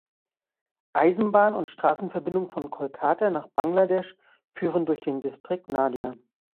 Eisenbahn und Straßenverbindung von Kolkata nach Bangladesch führen durch den Distrikt Nadia.